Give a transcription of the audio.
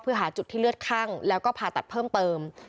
เพื่อหาจุดที่เลือดคั่งแล้วก็ผ่าตัดเพิ่มเติม